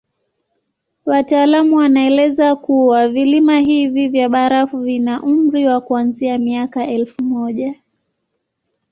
Wataalamu wanaeleza kuwa vilima hivi vya barafu vina umri wa kuanzia miaka elfu moja